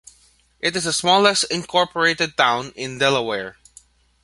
It is the smallest incorporated town in Delaware.